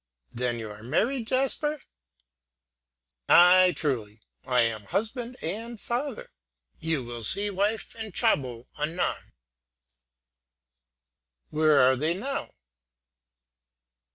"Then you are married, Jasper?" "Ay, truly; I am husband and father, You will see wife and chabó anon." "Where are they now?"